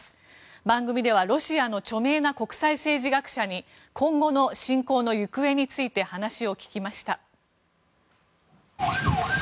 番組ではロシアの著名な国際政治学者に今後の侵攻の行方について話を聞きました。